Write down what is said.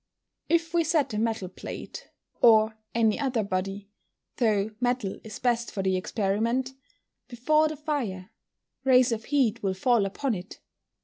_ If we set a metal plate (or any other body, though metal is best for the experiment) before the fire, rays of heat will fall upon it.